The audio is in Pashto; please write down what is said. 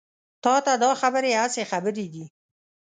تا ته دا خبرې هسې خبرې دي.